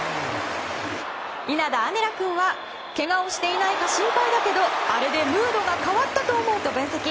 稲田アネラ君はけがをしていないか心配だけどあれでムードが変わったと思うと分析。